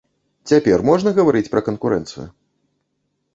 Цяпер можна гаварыць пра канкурэнцыю?